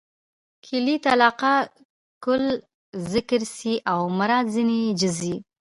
کلیت علاقه؛ کل ذکر سي او مراد ځني جز يي.